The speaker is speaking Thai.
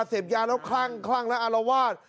เสพยาแล้วคลั่งคลั่งและอารวาส